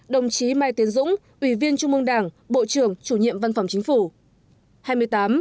hai mươi bảy đồng chí mai tiến dũng ủy viên trung mương đảng bộ trưởng chủ nhiệm văn phòng chính phủ